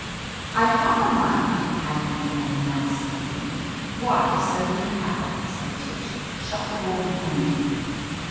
"I've half a mind —" Aggie began nastily. "Why, so you have !" said Tish. "Shut the door behind you."